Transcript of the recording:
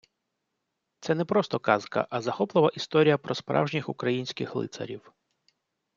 Це не просто казка, а захоплива історія про справжніх українських лицарів.